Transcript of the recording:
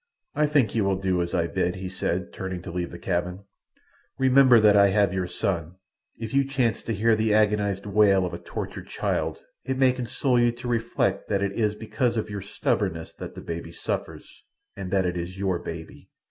"I think you will do as I bid," he said, turning to leave the cabin. "Remember that I have your son—if you chance to hear the agonized wail of a tortured child it may console you to reflect that it is because of your stubbornness that the baby suffers—and that it is your baby."